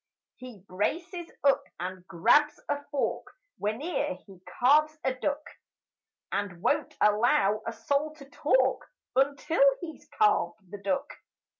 He braces up and grabs a fork Whene'er he carves a duck And won't allow a soul to talk Until he's carved the duck.